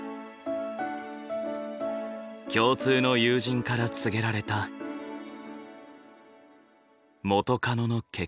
共通の友人から告げられた元カノの結婚。